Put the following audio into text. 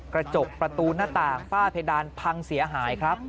กระจกประตูหน้าต่างฝ้าเพดานพังเสียหายครับ